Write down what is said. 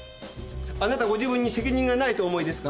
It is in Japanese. あなたご自分に責任がないとお思いですか！？